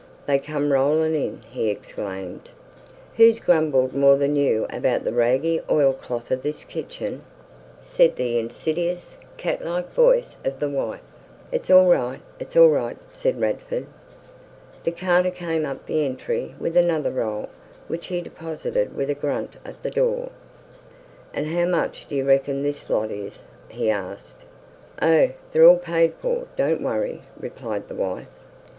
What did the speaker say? "They come rolling in!" he exclaimed. "Who's grumbled more than you about the raggy oilcloth of this kitchen?" said the insidious, cat like voice of the wife. "It's all right, it's all right," said Radford. The carter came up the entry with another roll, which he deposited with a grunt at the door. "An' how much do you reckon this lot is?" he asked. "Oh, they're all paid for, don't worry," replied the wife.